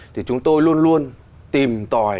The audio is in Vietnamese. thì chúng tôi luôn luôn tìm tòi